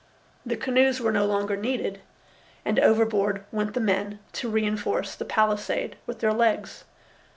The canoes were no longer needed, and overboard went the men to reinforce the palisade with their legs.